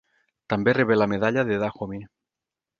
També rebé la medalla de Dahomey.